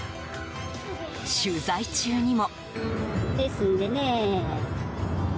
取材中にも。